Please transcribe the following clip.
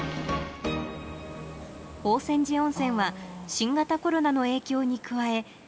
宝泉寺温泉は新型コロナの影響に加え